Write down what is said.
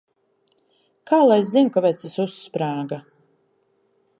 Kā lai es zinu, kāpēc tas uzsprāga?